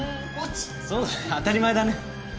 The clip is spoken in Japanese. そうだね当たり前だね。